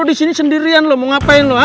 lu disini sendirian lu mau ngapain lu